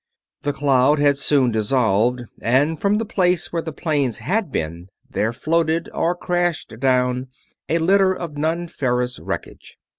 The cloud had soon dissolved, and from the place where the planes had been there floated or crashed down a litter of non ferrous wreckage.